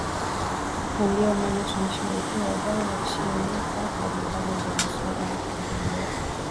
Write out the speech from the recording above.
na ndio maana tunashuhudia wadau na mashirika mbalimbali ya masuala ya mazingira